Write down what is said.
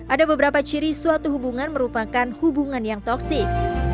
ada beberapa ciri suatu hubungan merupakan hubungan yang toxic